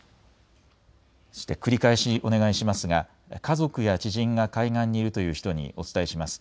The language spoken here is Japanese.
繰り返しお願いしますが家族や知人が海岸にいるという人にお伝えします。